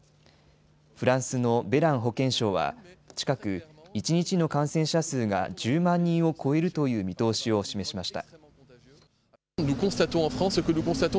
フランスのベラン保健相は近く、一日の感染者数が１０万人を超えるという見通しを示しました。